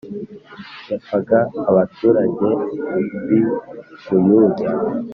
Yapfaga abaturage b i buyuda